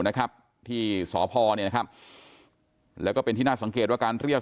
นะครับที่สพเนี่ยนะครับแล้วก็เป็นที่น่าสังเกตว่าการเรียก